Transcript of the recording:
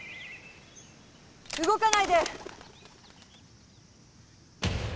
動かないで！